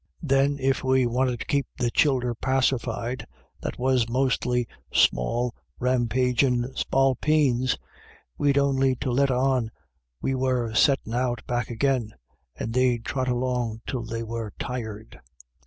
Then, if we wanted to keep the childer pacified, that was mostly small ram pagin* spalpeens, we'd on'y to let on we were settin' out back agin, and they'd trot along till they were tired.